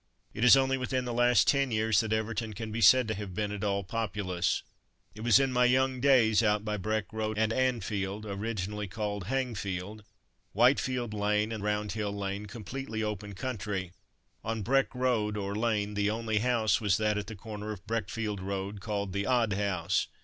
It is only within the last ten years that Everton can be said to have been at all populous. It was in my young days out by Breck road and Anfield (originally called Hangfield), Whitefield lane, and Roundhill lane, completely open country. On Breck road or Lane the only house was that at the corner of Breckfield road, called the "Odd House."